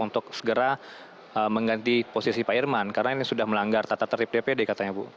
untuk segera mengganti posisi pak irman karena ini sudah melanggar tata tertib dpd katanya bu